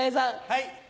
はい。